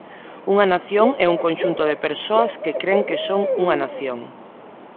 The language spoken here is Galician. Unha nación é un conxunto de persoas que cren que son unha nación.